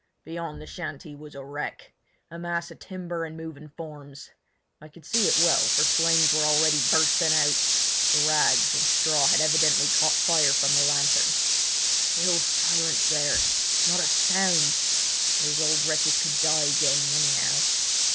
Beyond, the shanty was a wreck—a mass of timber and moving forms. I could see it well, for flames were already bursting out; the rags and straw had evidently caught fire from the lantern. Still silence there! Not a sound! These old wretches could die game, anyhow.